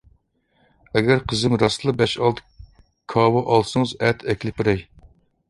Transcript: ئەگەر قىزىم راستلا بەش-ئالتە كاۋا ئالسىڭىز ئەتە ئەكېلىپ بېرەي.